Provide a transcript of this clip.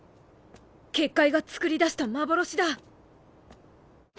結界が作り出した幻だ